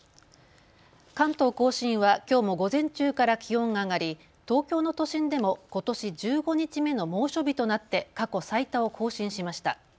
関東甲信はきょうも午前中から気温が上がり、東京の都心でもことし１５日目の猛暑日となって過去最多を更新しました。